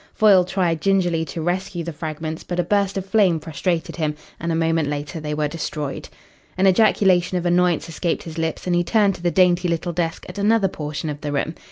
Foyle tried gingerly to rescue the fragments, but a burst of flame frustrated him, and a moment later they were destroyed. An ejaculation of annoyance escaped his lips, and he turned to the dainty little desk at another portion of the room.